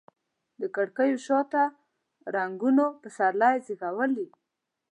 د کړکېو شاته رنګونو پسرلي زیږولي